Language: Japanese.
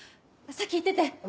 先行ってて。